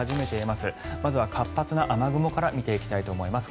まずは活発な雨雲から見ていきたいと思います。